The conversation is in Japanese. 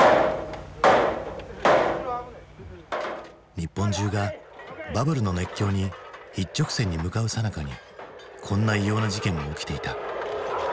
日本中がバブルの熱狂に一直線に向かうさなかにこんな異様な事件も起きていた。